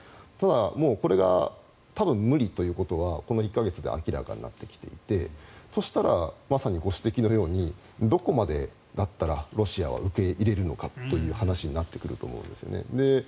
ただ、もうこれが多分無理ということはこの１か月で明らかになってきていてそしたら、まさにご指摘のようにどこまでだったらロシアは受け入れるのかという話になってくると思うんですね。